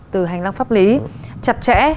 từ hành lang pháp lý chặt chẽ